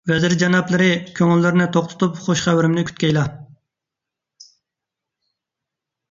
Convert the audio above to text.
ۋەزىر جانابلىرى، كۆڭۈللىرىنى توق تۇتۇپ خۇش خەۋىرىمنى كۈتكەيلا.